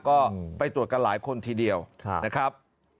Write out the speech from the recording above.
ก็ไปตรวจกันหลายคนทีเดียวนะครับ